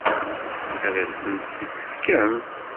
Ad asen-tt-tefkem?